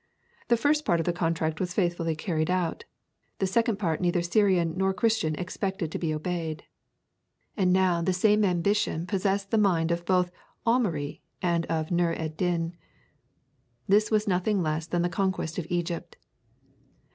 The first part of the contract was faithfully carried out; the second part neither Syrian nor Christian expected to be obeyed. And now the same ambition possessed the mind both of Amaury and of Nûr ed Din. This was nothing less than the conquest of Egypt.